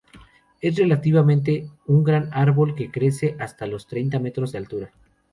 Es relativamente un gran árbol, que crece hasta los treinta metros de altura.